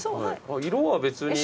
色は別に。